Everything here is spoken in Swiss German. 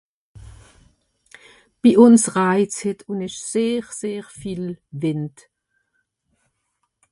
bi uns raijst'het un esch sehr sehr viel Wìnd